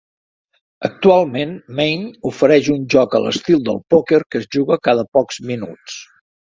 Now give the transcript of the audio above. Actualment Maine ofereix un joc a l'estil del pòquer que es juga cada pocs minuts.